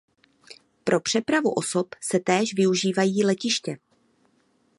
Pro přepravu osob se též využívají letiště.